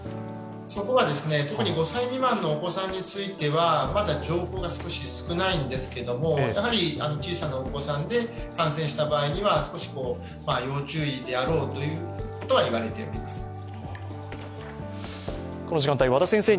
そこは、特に５歳未満のお子さんについてはまだ情報が少し少ないんですけれどもやはり小さなお子さんで感染した場合には少し要注意であろうということは言われております。